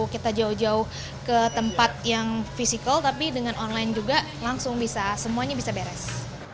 kita jauh jauh ke tempat yang fisikal tapi dengan online juga langsung bisa semuanya bisa beres